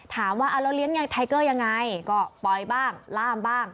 ถามว่าเอาแล้วเลี้ยงไทเกอร์ยังไงก็ปล่อยบ้างล่ามบ้าง